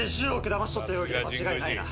騙し取った容疑で間違いないな。